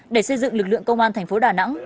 để xây dựng lực lượng công an thành phố đà nẵng